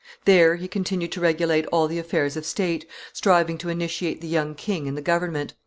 There he continued to regulate all the affairs of state, striving to initiate the young king in the government.